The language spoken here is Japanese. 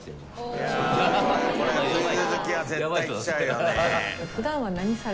これはクイズ好きは絶対来ちゃうよね。